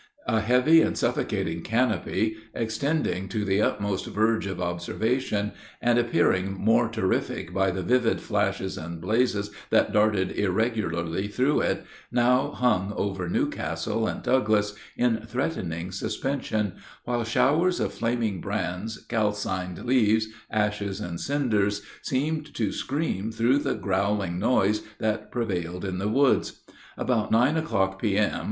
A heavy and suffocating canopy, extending to the utmost verge of observation, and appearing mere terrific by the vivid flashes and blazes that darted irregularly through it, now hung over New Castle and Douglass in threatening suspension, while showers of flaming brands, calcined leaves, ashes, and cinders, seemed to scream through the growling noise that prevailed in the woods. About nine o'clock, P.M.